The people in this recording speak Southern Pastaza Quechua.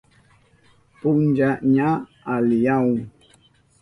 Puncha ña aliyahun.